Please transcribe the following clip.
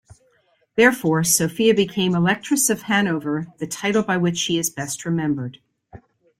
Therefore, Sophia became Electress of Hanover, the title by which she is best remembered.